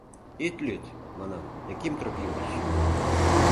— Ит лӱд, манам, Яким Тропимыч.